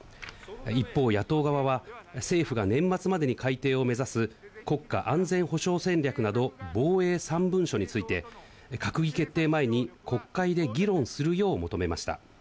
一方、野党側は、政府が年末までに改訂を目指す国家安全保障戦略など、防衛３文書について、閣議決定前に国会で議論するよう求めました。